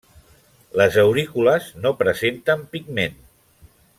Les aurícules no presenten pigment.